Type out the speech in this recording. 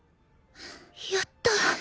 やった！